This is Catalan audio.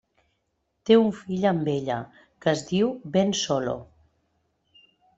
Té un fill amb ella que es diu Ben Solo.